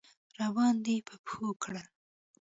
راباندې په پښو کړل.